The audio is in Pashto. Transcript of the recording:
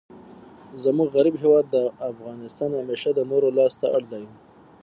زموږ غریب هیواد افغانستان همېشه د نورو لاس ته اړ دئ.